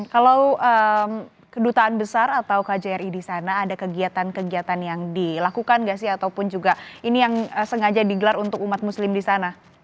kalau kedutaan besar atau kjri di sana ada kegiatan kegiatan yang dilakukan gak sih ataupun juga ini yang sengaja digelar untuk umat muslim di sana